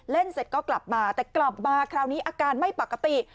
เสร็จก็กลับมาแต่กลับมาคราวนี้อาการไม่ปกติ